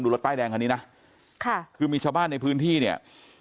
รถป้ายแดงคันนี้นะค่ะคือมีชาวบ้านในพื้นที่เนี่ย